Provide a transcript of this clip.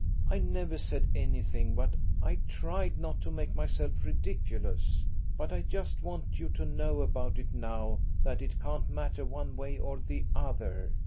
I never said anything, but I tried not to make myself ridiculous. But I just want you to know about it now that it can't matter one way or the other.